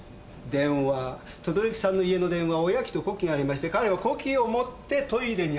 等々力さんの家の電話は親機と子機がありまして彼は子機を持ってトイレに入ったんです。